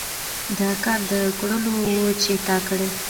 دا کار د کړلو وو چې تا کړى.